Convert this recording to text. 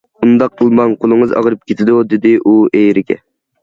‹‹ ئۇنداق قىلماڭ، قولىڭىز ئاغرىپ كېتىدۇ››، دېدى ئۇ ئېرىگە.